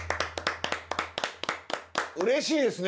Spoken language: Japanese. うれしいですね。